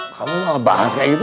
kamu malah bahas kayak gitu